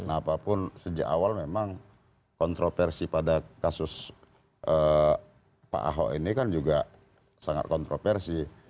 apapun sejak awal memang kontroversi pada kasus pak ahok ini kan juga sangat kontroversi